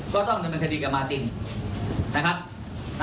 ก็ต้องดำเนินคดีกับมาตินนะครับ